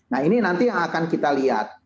nah ini nanti yang akan kita lihat